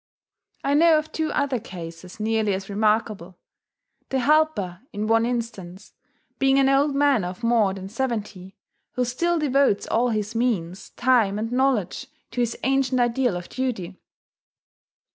I know of two other cases nearly as remarkable; the helper, in one instance, being an old man of more than seventy, who still devotes all his means, time, and knowledge to his ancient ideal of duty.